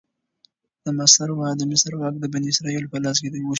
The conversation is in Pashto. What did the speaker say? د مصر واک د بنی اسرائیلو په لاس کې شو.